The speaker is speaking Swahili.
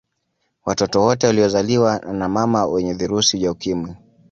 Watoto wote waliozaliwa na mama wenye virusi vya Ukimwi